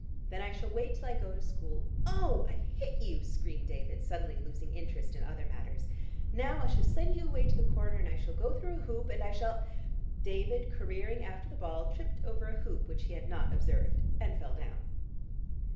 "Then I shall wait till I go to school. Ow! I've hit you," screamed David suddenly losing interest in other matters. "Now I shall send you away to the corner, and I shall go through a hoop, and I shall " David careering after the ball, tripped over a hoop which he had not observed, and fell down.